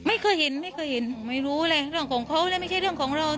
ไม่เคยเห็นไม่เคยเห็นไม่รู้เลยเรื่องของเขาและไม่ใช่เรื่องของเรา